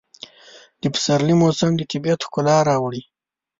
د پسرلي موسم د طبیعت ښکلا راوړي.